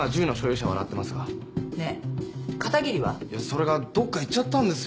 それがどっか行っちゃったんですよ。